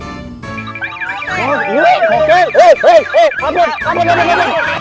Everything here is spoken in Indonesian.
eh kokil eh eh eh apa apa apa apa